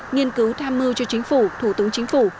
nghiên cứu tham mưu cho chính phủ thủ tướng chính phủ